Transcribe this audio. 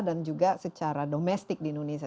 dan juga secara domestik di indonesia